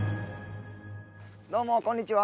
どうもこんにちは。